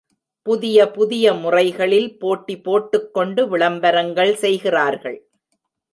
புதிய புதிய முறைகளில் போட்டி போட்டுக் கொண்டு விளம்பரங்கள் செய்கிறார்கள்.